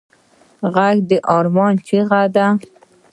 غږ د ارمان چیغه ده